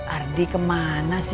ardi kemana sih